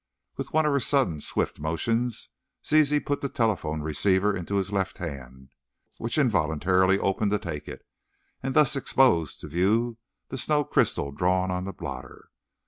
With one of her sudden, swift motions, Zizi put the telephone receiver into his left hand, which involuntarily opened to take it, and thus exposed to view the snow crystal drawn on the blotter.